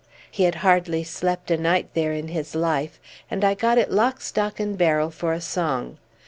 He had hardly slept a night there in his life, and I got it lock stock and barrel for a song.